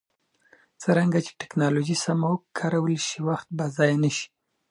څرنګه چې ټکنالوژي سمه وکارول شي، وخت به ضایع نه شي.